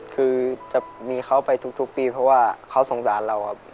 คือจะมีเขาไปทุกปีเพราะว่าเขาสงสารเราครับ